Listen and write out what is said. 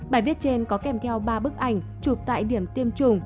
bài viết trên có kèm theo ba bức ảnh chụp tại điểm tiêm chủng